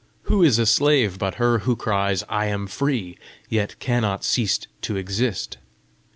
Who is a slave but her who cries, 'I am free,' yet cannot cease to exist!"